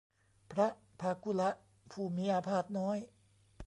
พระพากุละ ผู้มีอาพาธน้อย